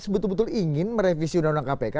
betul betul ingin merevisi undang undang kpk